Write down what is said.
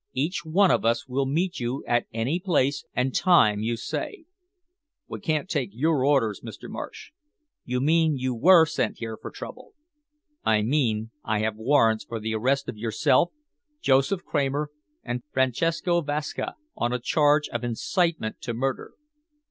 Each one of us will meet you at any place and time you say." "We can't take your orders, Mr. Marsh." "You mean you were sent here for trouble?" "I mean I have warrants for the arrest of yourself, Joseph Kramer and Francesco Vasca on a charge of incitement to murder."